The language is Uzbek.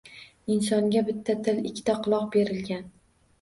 Insonga bitta til, ikkita quloq berilgan.